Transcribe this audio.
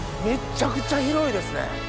めっちゃくちゃ広いですね。